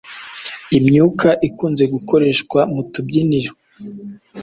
imyuka ikunze gukoreshwa mu tubyiniro